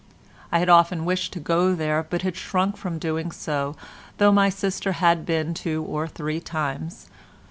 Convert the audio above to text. I had often wished to go there, but had shrunk from doing so though my sister had been two or three times.